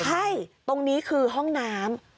ใช่ตรงนี้คือห้องน้ำ